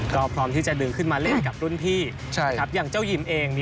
ก็พร้อมที่จะดึงขึ้นมาเล่นกับรุ่นพี่